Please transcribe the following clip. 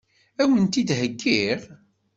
Ad wen-t-id-heggiɣ?